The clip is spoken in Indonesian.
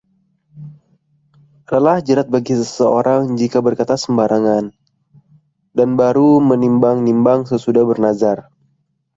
Adalah jerat bagi seseorang jika berkata sembarangan, dan baru menimbang-nimbang sesudah bernazar.